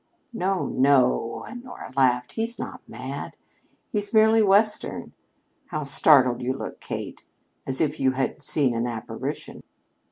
"No, no," Honora laughed; "he's not mad; he's merely Western. How startled you look, Kate as if you had seen an apparition."